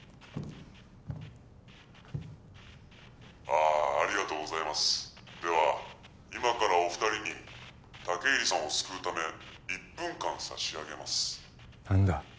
ああありがとうございますでは今からお二人に武入さんを救うため１分間差し上げます何だ？